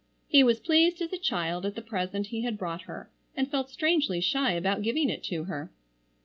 He was pleased as a child at the present he had brought her, and felt strangely shy about giving it to her.